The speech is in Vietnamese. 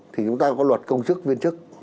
thì chúng ta có luật công chức viên chức